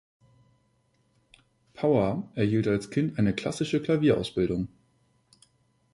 Pauer erhielt als Kind eine klassische Klavierausbildung.